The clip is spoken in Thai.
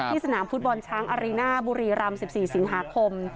สนามฟุตบอลช้างอารีน่าบุรีรำ๑๔สิงหาคม